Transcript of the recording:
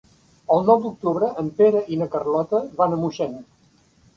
El nou d'octubre en Pere i na Carlota van a Moixent.